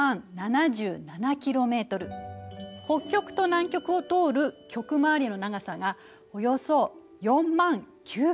北極と南極を通る極周りの長さがおよそ４０，００９ｋｍ。